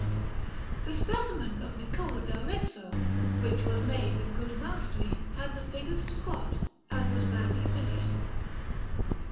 The specimen of Niccolò d'Arezzo, which was made with good mastery, had the figures squat and was badly finished.